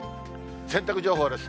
洗濯情報です。